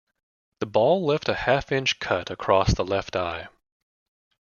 The ball left a half-inch cut across the left eye.